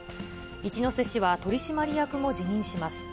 一瀬氏は取締役も辞任します。